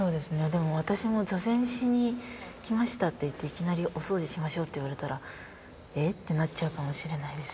でも私も「座禅しに来ました」って言っていきなり「おそうじしましょう」って言われたら「え？」ってなっちゃうかもしれないです。